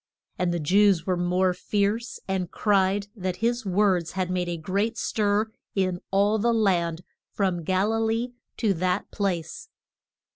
And the Jews were more fierce, and cried that his words had made a great stir in all the land from Gal i lee to that place.